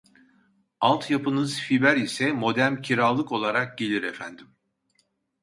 Alt yapınız fiber ise modem kiralık olarak gelir efendim